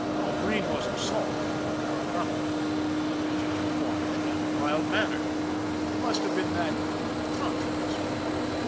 No, Breen wasn't soft far from it. He was just quiet and mild mannered. It must have been that contrast.